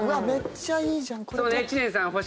めっちゃいいじゃん。